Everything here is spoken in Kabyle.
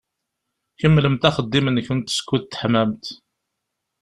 Kemmlemt axeddim-nkent skud teḥmamt.